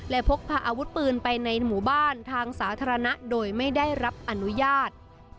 และพกพาอาวุธปืนไปในหมู่บ้านทางสาธารณะโดยไม่ได้รับอนุญาต